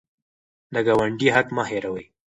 د ګاونډي حق مه هېروئ.